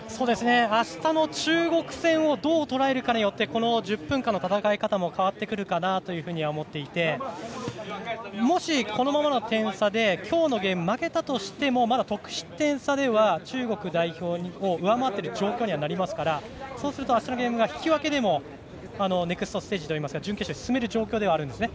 あしたの中国戦をどうとらえるかによってこの１０分間の戦い方も変わってくるかなと思っていてもし、このままの点差で今日のゲーム負けてもまだ得失点差では中国代表を上回っている状況ですからそうするとあしたのゲームが引き分けでもネクストステージというか準決勝に進めるんですね。